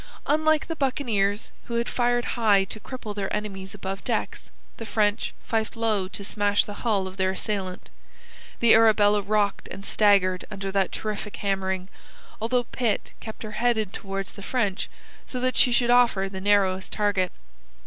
Unlike the buccaneers, who had fired high to cripple their enemies above decks, the French fifed low to smash the hull of their assailant. The Arabella rocked and staggered under that terrific hammering, although Pitt kept her headed towards the French so that she should offer the narrowest target.